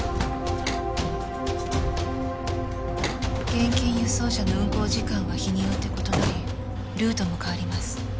現金輸送車の運行時間は日によって異なりルートも変わります。